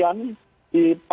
dan sekarang kita sudah mencapai